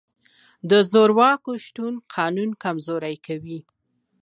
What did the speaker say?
د زورواکو شتون قانون کمزوری کوي.